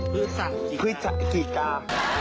พุทธจิกา